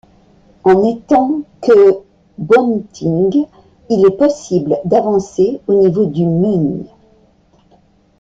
En étant que bongthing, il est possible d'avancer au niveau de mun.